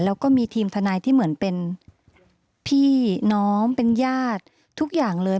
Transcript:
แล้วก็มีทีมทนายที่เหมือนเป็นพี่น้องเป็นญาติทุกอย่างเลย